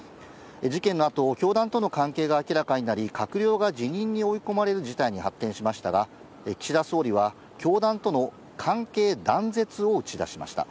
事件のあと、教団との関係が明らかになり、閣僚が辞任に追い込まれる事態に発展しましたが、岸田総理は教団との関係断絶を打ち出しました。